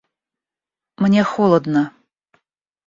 — Мне холодно.